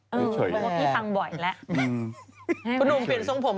เมื่อก่อนฟังบ่อยแล้ว